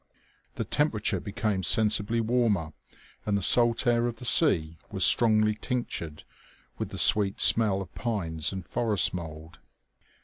The temperature became sensibly warmer and the salt air of the sea was strongly tinctured with the sweet smell of pines and forest mould.